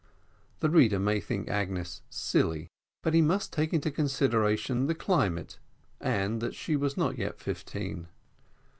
The reader may think Agnes silly, but he must take into consideration the climate, and that she was not yet fifteen.